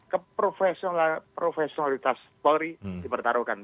ke profesionalitas polri dipertaruhkan